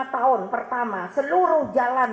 lima tahun pertama seluruh jalan